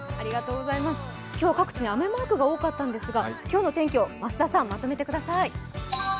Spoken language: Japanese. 今日は雨マークが多かったんですが、今日の天気を増田さんまとめてください。